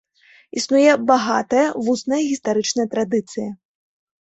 Існуе багатая вусная гістарычная традыцыя.